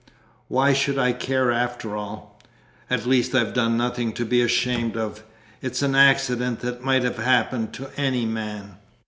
Why should I care, after all? At least I've done nothing to be ashamed of. It's an accident that might have happened to any man!"